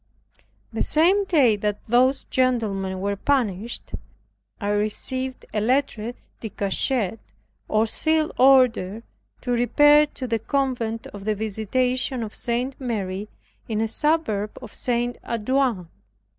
The same day that those gentlemen were banished, I received a letter de cachet, or sealed order to repair to the Convent of the Visitation of St. Mary's, in a suburb of St. Antoine.